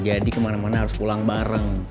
jadi kemana mana harus pulang bareng